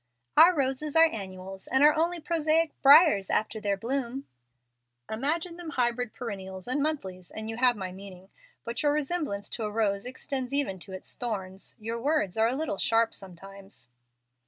"Our roses are annuals and are only prosaic briers after their bloom." "Imagine them hybrid perpetuals and monthlies and you have my meaning. But your resemblance to a rose extends even to its thorns. Your words are a little sharp sometimes."